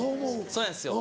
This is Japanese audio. そうなんですよ